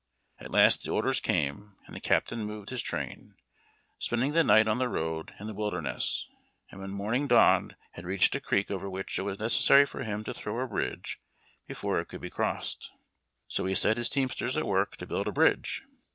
At last the orders came, and the captain moved his train, spending the night on the road in the Wilderness, and when morning dawned had reached a creek over which it was necessary for him to throw a bridge before it could be crossed. So he set his teamsters at work to build a bridge.